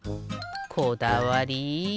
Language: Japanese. こだわり！